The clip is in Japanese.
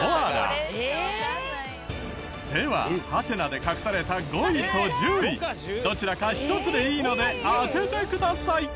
ではハテナで隠された５位と１０位どちらか１つでいいので当ててください。